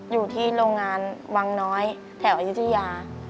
อยู่ที่โรงงานวังน้อยแถวอายุทยา